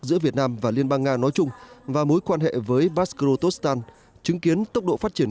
giữa việt nam và liên bang nga nói chung và mối quan hệ với baskyotostan chứng kiến tốc độ phát triển